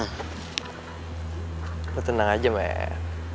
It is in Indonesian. ternyata gue tenang aja men